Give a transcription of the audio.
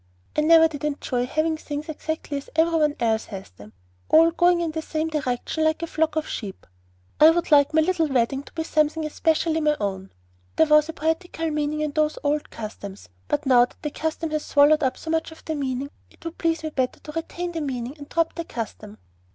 I never did enjoy having things exactly as every one else has them, all going in the same direction like a flock of sheep. I would like my little wedding to be something especially my own. There was a poetical meaning in those old customs; but now that the custom has swallowed up so much of the meaning, it would please me better to retain the meaning and drop the custom."